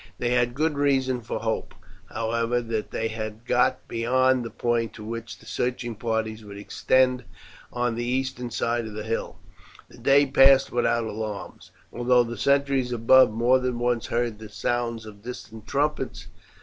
They had good reason for hope, however, that they had got beyond the point to which the searching parties would extend on the eastern side of the hill. The day passed without alarms, although the sentries above more than once heard the sounds of distant trumpets.